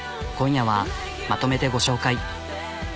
今夜はまとめてご紹介。